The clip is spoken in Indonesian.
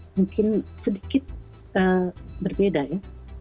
mungkin sedikit berbeda ya